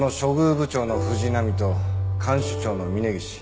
部長の藤波と看守長の峯岸。